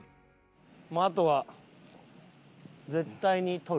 もうあとは絶対に撮る。